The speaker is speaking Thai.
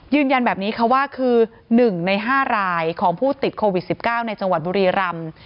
ยืนยันแบบนี้ค่ะว่าคือ๑ใน๕รายของผู้ติดโควิด๑๙ในจังหวัดบุรีรำ